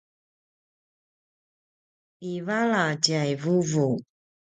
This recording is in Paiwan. ivala tjai vuvu